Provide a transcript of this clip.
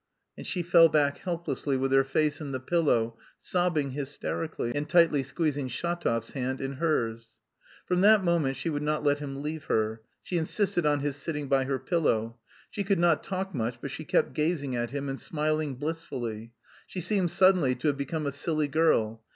And she fell back helplessly with her face in the pillow, sobbing hysterically, and tightly squeezing Shatov's hand in hers. From that moment she would not let him leave her; she insisted on his sitting by her pillow. She could not talk much but she kept gazing at him and smiling blissfully. She seemed suddenly to have become a silly girl.